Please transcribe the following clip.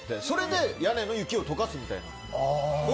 それで屋根の雪を溶かすみたいな。